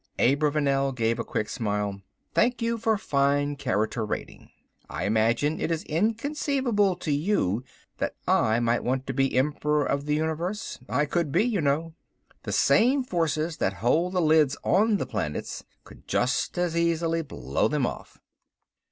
Abravanel gave a quick smile. "Thank you for fine character rating. I imagine it is inconceivable to you that I might want to be Emperor of the Universe. I could be, you know. The same forces that hold the lids on the planets could just as easily blow them off."